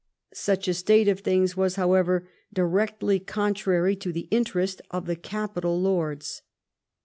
Such a state of things was, however, directly contrary to the interest of the capital lords.